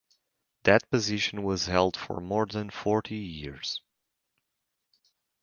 That position was held for more than forty years.